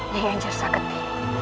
nyai ajar saketi